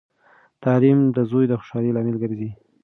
تعلیم د زوی د خوشحالۍ لامل ګرځي.